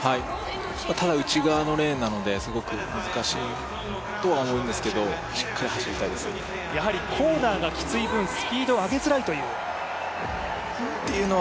ただ内側のレーンなのですごく難しいとは思うんですけどやはりコーナーがきつい分、スピードを上げづらいという。